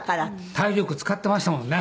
体力使ってましたもんね